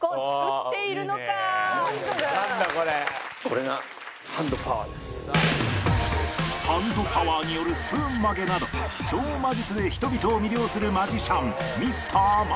これがハンドパワーによるスプーン曲げなど超魔術で人々を魅了するマジシャン